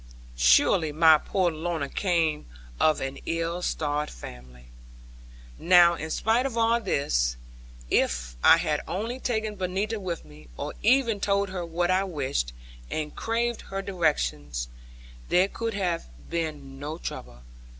Surely my poor Lorna came of an ill starred family. Now in spite of all this, if I had only taken Benita with me, or even told her what I wished, and craved her directions, there could have been no trouble.